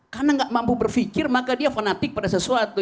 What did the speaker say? karena enggak mampu berpikir maka dia fanatik pada sesuatu